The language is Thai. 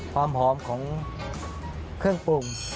ความหอมของเครื่องปรุง